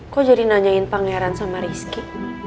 kok jadi nanyain pangeran sama rizky